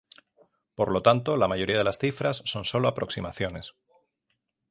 Por lo tanto, la mayoría de las cifras son sólo aproximaciones.